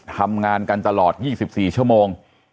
ทำงานกันตลอด๒๔ชั่วโมง